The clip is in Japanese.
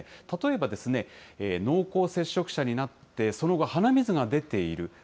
例えば、濃厚接触者になってその後、鼻水が出ている。